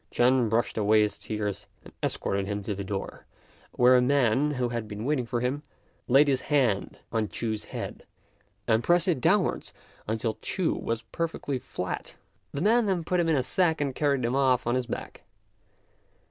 Ch'ên brushed away his tears and escorted him to the door, where a man, who had been waiting for him, laid his hand on Ch'u's head and pressed it downwards until Ch'u was perfectly flat. The man then put him in a sack and carried him off on his back.